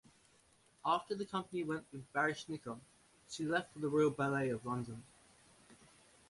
After the company went with Baryshnikov, she left for the Royal Ballet of London.